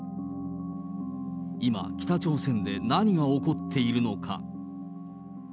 今、北朝鮮で何が起こっているのか。